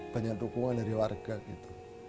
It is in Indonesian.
banyak dukungan dari warga gitu